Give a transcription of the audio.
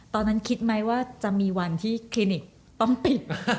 ตอนนั้นคิดไหมว่าจะมีวันที่คลินิกต้องปิด